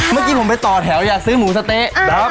เมื่อกี้ผมไปต่อแถวอยากซื้อหมูสะเต๊ะ